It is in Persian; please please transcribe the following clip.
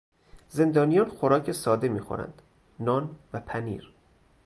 زندانیان خوراک ساده میخوردند: نان و پنیر